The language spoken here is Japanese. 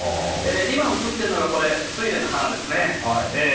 今、映っているのがスイレンの花ですね。